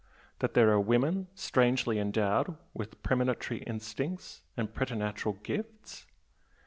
That there are women strangely endowed with premonitory instincts land preternatural gifts?